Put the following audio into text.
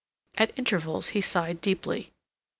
At intervals he sighed deeply.